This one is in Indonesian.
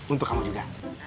untuk kamu juga